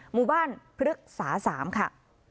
หมู่บ้านพฤกษา๓ค่ะ